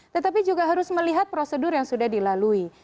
tetapi juga harus melihat prosedur yang sudah dilalui